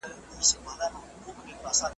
تاریخ د انسان تجربې ساتي.